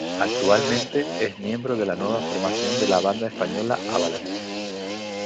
Actualmente es miembro de la nueva formación de la banda española Avalanch.